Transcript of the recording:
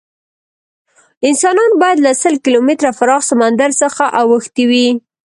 انسانان باید له سل کیلومتره پراخ سمندر څخه اوښتي وی.